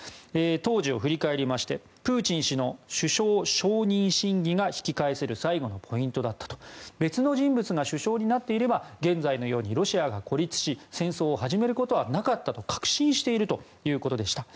当時を振り返りましてプーチン氏の首相承認審議が引き返せる最後のポイントだったと別の人物が首相になっていれば現在のようにロシアが孤立し戦争を始めることはなかったと確信しているということでした。